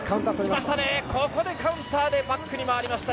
ここでカウンターでバックに回りました